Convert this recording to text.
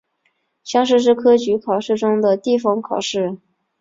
乡试是科举考试中的地方考试。